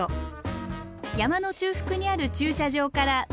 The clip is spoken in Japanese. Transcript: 山の中腹にある駐車場から登山開始。